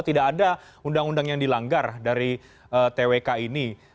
tidak ada undang undang yang dilanggar dari twk ini